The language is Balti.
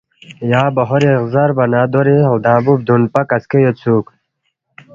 یا بہوری غزربا نہ دوری لدانگبُو بُدون پا کسکے یودسُوک